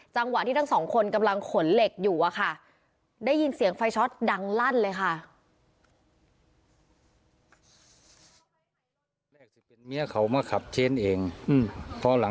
จังหวะที่ทั้งสองคนกำลังขนเหล็กอยู่อะค่ะได้ยินเสียงไฟช็อตดังลั่นเลยค่ะ